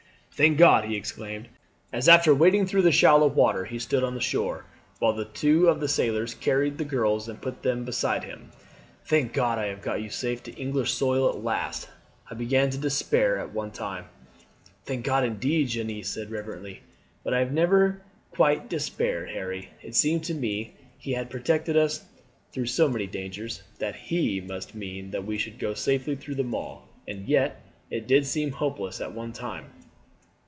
"Thank God!" he exclaimed, as after wading through the shallow water he stood on the shore, while two of the sailors carried the girls and put them beside him. "Thank God, I have got you safe on English soil at last. I began to despair at one time." "Thank God indeed," Jeanne said reverently; "but I never quite despaired, Harry. It seemed to me He had protected us through so many dangers, that He must mean that we should go safely through them all, and yet it did seem hopeless at one time."